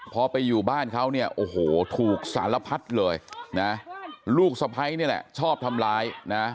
พอไปอยู่บ้านเขาเนี่ยโอ้โหถูกสารพัดเลยนะลูกสะพ้ายนี่แหละชอบทำร้ายนะ